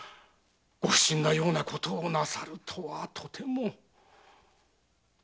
ご不審のようなことをなさるとはとても。